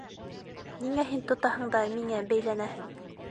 Ниңә һин тотаһың да миңә бәйләнәһең?